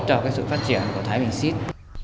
cho sự phát triển của thái bình xít